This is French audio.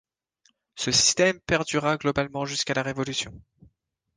Ce système perdura globalement jusqu'à la Révolution.